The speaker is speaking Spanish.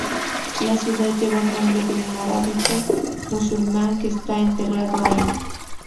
La ciudad lleva el nombre de un morabito musulmán que está enterrado allí.